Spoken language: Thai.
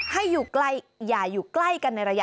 ให้อยู่อย่าอยู่ใกล้กันในระยะ